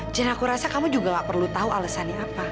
dan aku rasa kamu juga gak perlu tahu alesannya apa